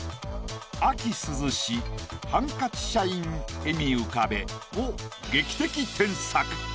「秋涼しハンカチ社員笑み浮かべ」を劇的添削。